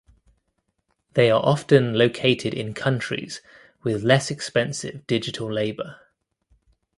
They are often located in countries with less expensive digital labor.